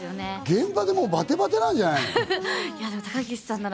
現場でバテバテなんじゃないの？